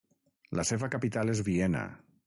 La seva capital és Viena.